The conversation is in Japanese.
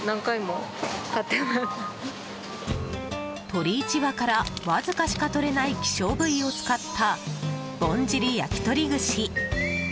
鳥１羽からわずかしかとれない希少部位を使ったぼんじり焼き鳥串。